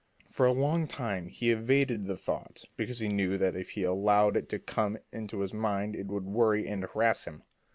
For a long time he evaded the thought because he knew that if he allowed it to come into his mind it would worry and harass him.